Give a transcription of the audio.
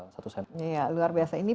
satu cent iya luar biasa ini